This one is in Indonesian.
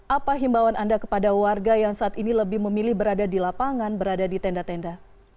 apa himbauan anda kepada warga yang saat ini lebih memilih berada di lapangan berada di tenda tenda